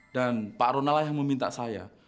dan pak rona lah yang meminta saya